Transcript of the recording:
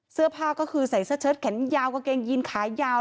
เสื้อผ้าก็คือใส่เสื้อเชิดแขนยาวกางเกงยีนขายาว